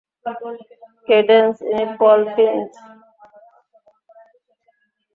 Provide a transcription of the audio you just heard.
Cadence, ইনি Paul Finch.